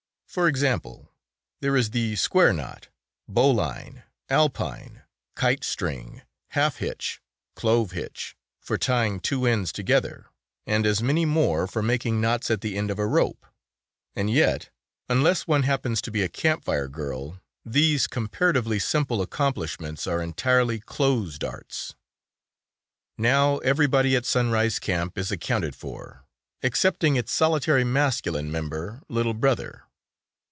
For example, there is the square knot, bowline, alpine, kite string, half hitch, clove hitch for tying two ends together, and as many more for making knots at the end of a rope, and yet, unless one happens to be a Camp Fire girl, these comparatively simple accomplishments are entirely closed arts. Now everybody at Sunrise Camp is accounted for excepting its solitary masculine member Little Brother.